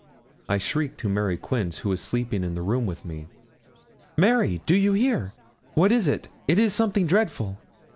I shrieked to Mary Quince, who was sleeping in the room with me: 'Mary, do you hear? what is it? It is something dreadful.'